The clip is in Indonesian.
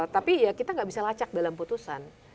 tapi ya kita nggak bisa lacak dalam putusan